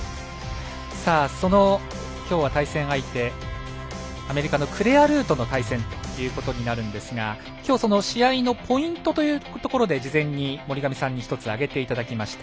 その対戦相手アメリカのクレア・ルーとの対戦ということになるんですがきょう、その試合のポイントというところで事前に森上さんに１つ挙げていただきました。